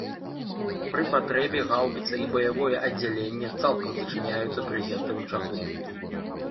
Пры патрэбе гаўбіца і баявое аддзяленне цалкам зачыняюцца брызентавым чахлом.